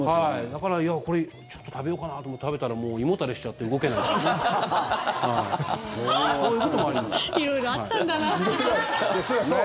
だから、これちょっと食べようかなと思って食べたらもう胃もたれしちゃって動けないっていうね。